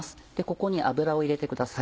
ここに油を入れてください。